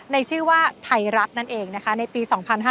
ในชื่อว่าไทยรัฐนั่นเองนะคะในปี๒๕๕๙